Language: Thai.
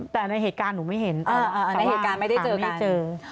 แต่ในเหตุการณ์หนูไม่เห็นแล้วแต่ว่าทำไมไม่เจอ